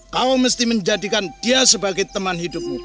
kau mesti menjadikan dia sebagai teman hidupmu